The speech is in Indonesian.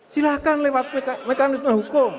silahkan lewat mekanisme hukum